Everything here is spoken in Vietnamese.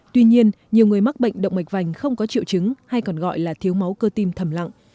tuy nhiên nhiều người mắc bệnh động mạch vành không có triệu chứng hay còn gọi là thiếu máu cơ tim thầm lặng